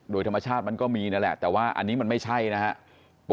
โดยธรรมชาติมันก็มีนั่นแหละแต่ว่าอันนี้มันไม่ใช่นะครับ